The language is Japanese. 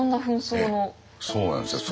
そうなんですよ。